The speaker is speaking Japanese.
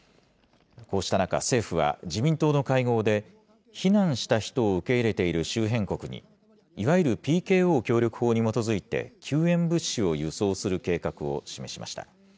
こうした中、政府は、自民党の会合で、避難した人を受け入れている周辺国に、いわゆるＰＫＯ協力法に基づいて、救援物資を輸送する計画を示しました。